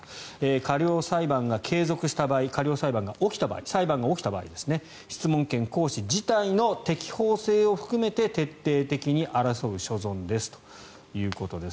過料裁判が係属した場合過料裁判が起きた場合質問権行使自体の適法性を含めて徹底的に争う所存ですということです。